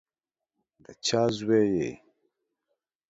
د چا زوی یې؟